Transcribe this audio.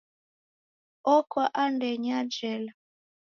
Oka andenyi ya jela.